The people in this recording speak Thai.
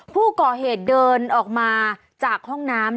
ผู้ก่อเหตุเดินออกมาจากห้องน้ำ